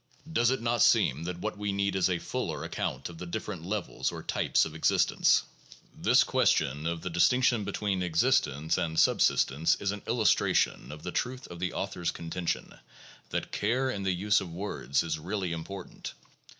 Does it not seem that what we need is a fuller account of the different levels or types of existence? This question of the distinction between existence and subsistence is an illustration of the truth of the authors' contention (pp. 21 22) that care in the use of words is really important.